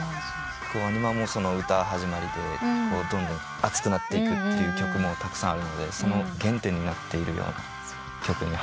ＷＡＮＩＭＡも歌始まりでどんどん熱くなっていく曲もたくさんあるのでその原点になっているような曲に。